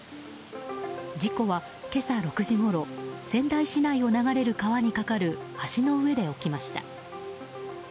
事故は今朝６時ごろ仙台市内を流れる川に架かる橋の上で起きました。